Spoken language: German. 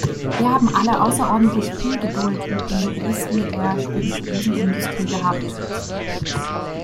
Wir haben alle außerordentlich viel Geduld mit den Lobbyisten der Spirituosenindustrie gehabt!